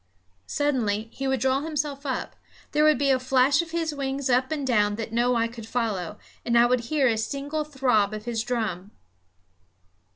Suddenly he would draw himself up; there would be a flash of his wings up and down that no eye could follow, and I would hear a single throb of his drum.